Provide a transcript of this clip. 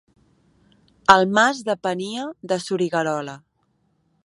El mas depenia de Soriguerola.